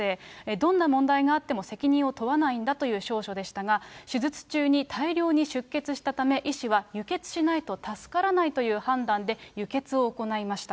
どんな問題があっても責任を問わないんだという証書でしたが、手術中に大量に出血したため、医師は輸血しないと助からないという判断で輸血を行いました。